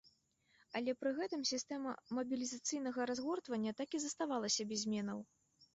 Але пры гэтым сістэма мабілізацыйнага разгортвання так і заставалася без зменаў.